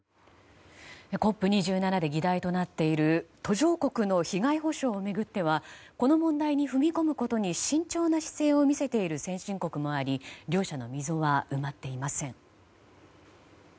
ＣＯＰ２７で議題となっている途上国の被害補償を巡ってはこの問題に踏み込むことに慎重な姿勢を見せている先進国もあり両者の溝は埋まっていません。